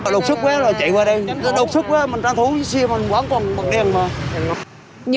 đột sức quá là chạy qua đây đột sức quá là mình đang thú xe mình quán còn mặc đèn mà